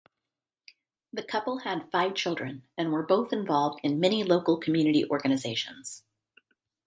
The couple had five children and were both involved in many local community organisations.